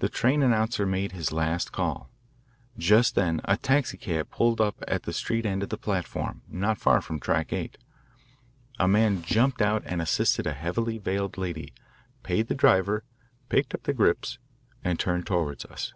The train announcer made his last call. Just then a taxicab pulled up at the street end of the platform, not far from Track 8. A man jumped out and assisted a heavily veiled lady, paid the driver, picked up the grips, and turned toward us.